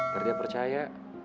karena dia percaya